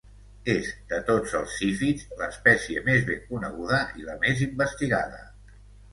És, de tots els zífids, l'espècie més ben coneguda i la més investigada.